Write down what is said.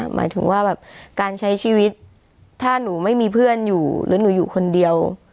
หมายถึงว่าแบบการใช้ชีวิตถ้าหนูไม่มีเพื่อนอยู่หรือหนูอยู่คนเดียว